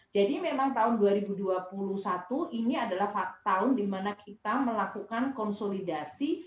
jadi memang tahun dua ribu dua puluh satu ini adalah tahun dimana kita melakukan konsolidasi